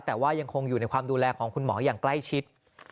แต่ว่ายังคงอยู่ในความดูแลของคุณหมออย่างใกล้ชิด